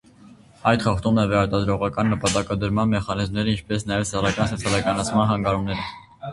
Այն խախտում է վերարտադրողական նպատակադրման մեխանիզմները, ինչպես նաև սեռական սոցիալականացման խանգարումները։